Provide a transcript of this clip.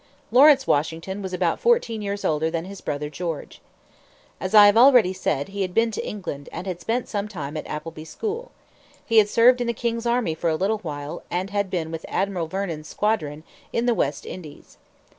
Lawrence Washington was about fourteen years older than his brother George. As I have already said, he had been to England and had spent sometime at Appleby school. He had served in the king's army for a little while, and had been with Admiral Vernon's squadron in the West Indies.